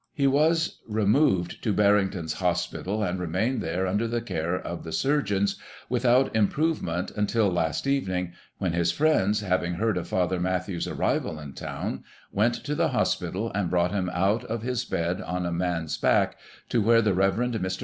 He was removed to Barrington's Hospital, and remained there under the care of the surgeons, without im provement, until last evening, when his friends, having heard of Father Mathew's arrival in town, went to the hospital, and brought him out of his bed, on a man's back, to where the Rev. Mr.